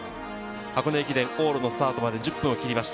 箱根駅伝往路のスタートまで１０分を切りました。